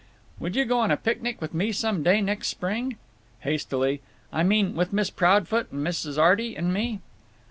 "Would you go on a picnic with me some day next spring?" Hastily, "I mean with Miss Proudfoot and Mrs. Arty and me?"